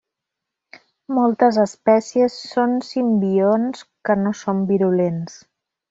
Moltes espècies són simbionts que no són virulents.